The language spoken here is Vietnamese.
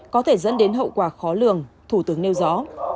có thể dẫn đến hậu quả khó lường thủ tướng nêu rõ